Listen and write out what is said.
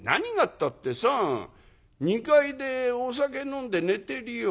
ったってさあ２階でお酒飲んで寝てるよ。